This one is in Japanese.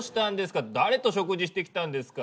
誰と食事してきたんですか？